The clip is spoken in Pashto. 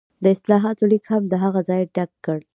د اصلاحاتو لیګ هم د هغه ځای ډک کړ.